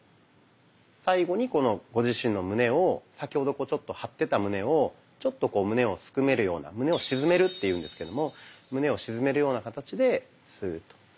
最後にこのご自身の胸を先ほどちょっと張ってた胸をちょっと胸をすくめるような胸を沈めるっていうんですけども胸を沈めるような形でスーッと。